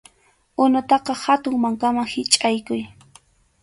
Unutaqa hatun mankaman hichʼaykuy.